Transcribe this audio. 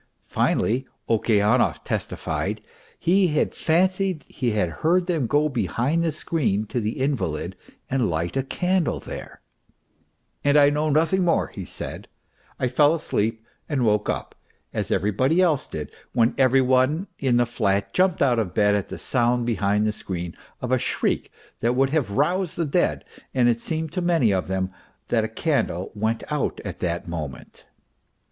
Finally Okeanov testified he had fancied he had heard them go behind the screen to the invalid and light a candle there, " and I know nothing more," he said, " I fell asleep, and woke up," as everybody else did, when every one in the flat jumped out of bed at the sound behind the screen of a shriek that . would have roused the dead, and it seemed to many of them that a candle went out at that moment.